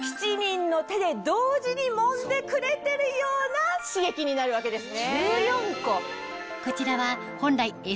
で同時にもんでくれてるような刺激になるわけですね。